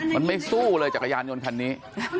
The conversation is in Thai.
มันไม่สู้เลยจักรยานยนต์คันนี้